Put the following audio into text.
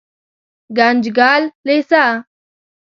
ګنجګل لېسه